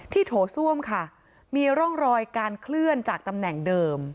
โถส้วมค่ะมีร่องรอยการเคลื่อนจากตำแหน่งเดิม